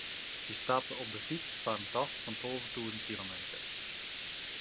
Hy stapte op de fyts foar in tocht fan tolve tûzen kilometer.